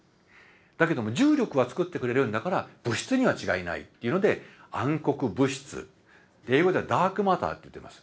だけども重力はつくってくれるんだから物質には違いないというので暗黒物質英語ではダークマターっていってます。